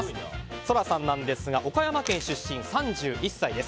ＳＯＲＡさんなんですが岡山県出身、３１歳です。